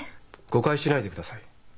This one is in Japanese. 誤解しないでください。